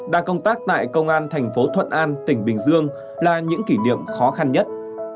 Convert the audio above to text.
đã công tác tại công an tp thuận an tỉnh bình dương là những kỷ niệm khó khăn nhất